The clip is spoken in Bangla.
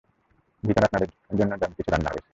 ভিতরে আপনাদের জন্য দারুণ কিছু রান্না হয়েছে।